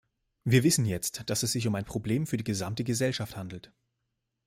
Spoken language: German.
Wir wissen jetzt, dass es sich um ein Problem für die gesamte Gesellschaft handelt.